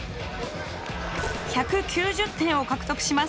１９０点を獲得します。